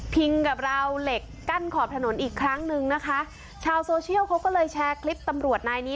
กับราวเหล็กกั้นขอบถนนอีกครั้งนึงนะคะชาวโซเชียลเขาก็เลยแชร์คลิปตำรวจนายนี้